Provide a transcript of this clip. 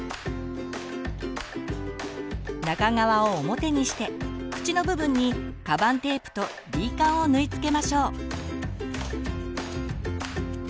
中側を表にして口の部分にカバンテープとＤカンを縫いつけましょう。